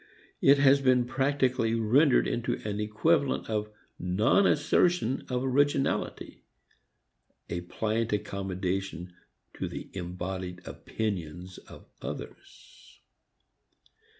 It has been practically rendered into an equivalent of non assertion of originality, a pliant accommodation to the embodied opinions of others.